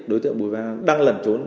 đối tượng bùi văn an đang lẩn trốn